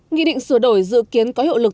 nghị định sửa đổi dự kiến có hiệu lực